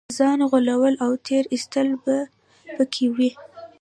ځان غولول او تېر ایستل به په کې وي.